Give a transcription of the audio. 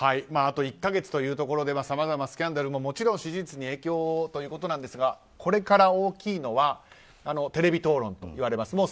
あと１か月というところでさまざまなスキャンダルも支持率に影響ということですがこれから大きいのはテレビ討論といわれます。